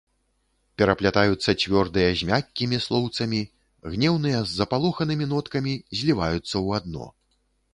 Пераплятаюцца цвёрдыя з мяккімі слоўцамі, гнеўныя з запалоханымі ноткамі зліваюцца ў адно.